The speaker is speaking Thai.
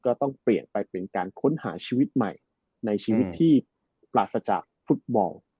ก็ต้องเปลี่ยนไปเป็นการค้นหาชีวิตใหม่ในชีวิตที่ปราศจากฟุตบอล